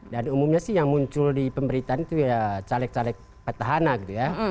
dan umumnya sih yang muncul di pemberitaan itu ya caleg caleg petahana gitu ya